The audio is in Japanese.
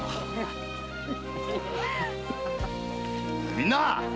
みんな！